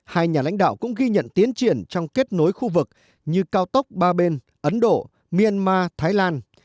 hai nhà lãnh đạo cũng ghi nhận tiến triển trong kết nối khu vực như cao tốc ba bên ấn độ myanmar thái lan